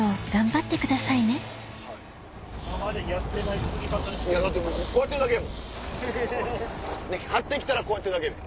張って来たらこうやって投げる。